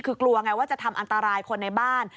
คือกลัวไงว่าจะทำอันตรายคนในบ้าน